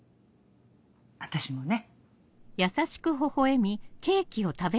私もね。